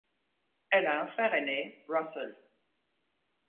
Elle a un frère aîné, Russell.